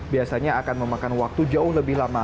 biasanya akan memakan waktu jauh lebih lama